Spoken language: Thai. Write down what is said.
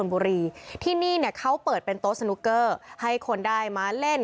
บุรีที่นี่เนี่ยเขาเปิดเป็นโต๊ะสนุกเกอร์ให้คนได้มาเล่น